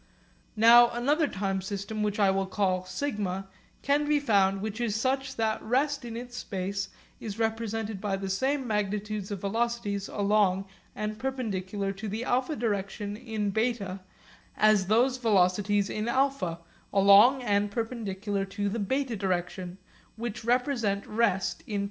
Now another time system, which I will name σ, can be found which is such that rest in its space is represented by the same magnitudes of velocities along and perpendicular to the α direction in β as those velocities in α, along and perpendicular to the β direction, which represent rest in π.